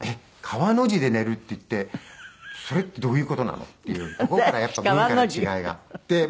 川の字で寝るっていってそれってどういう事なの？」っていうとこからやっぱり文化の違いが。